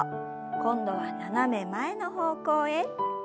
今度は斜め前の方向へ。